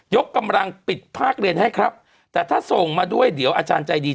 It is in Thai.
กำลังปิดภาคเรียนให้ครับแต่ถ้าส่งมาด้วยเดี๋ยวอาจารย์ใจดี